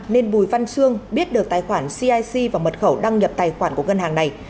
nên bùi văn xương biết được tài khoản cic và mật khẩu đăng nhập tài khoản của ngân hàng này